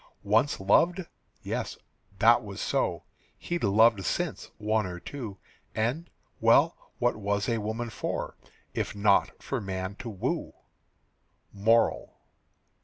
Once loved? Yes, that was so. He'd loved since, one or two, And well, what was a woman for, If not for man to woo? MORAL.